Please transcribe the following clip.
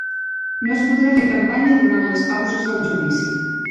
No es podrà fer campanya durant les pauses del judici